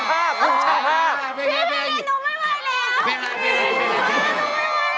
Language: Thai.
พี่เดี๋ยวน้องไม่ไหวแล้ว